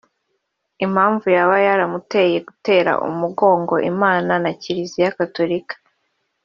Impamvu yaba yaramuteye gutera umugongo Imana na Kiliziya Gatolika